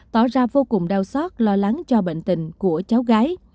tỏ ra vô cùng đau xót lo lắng cho bệnh tình của cháu gái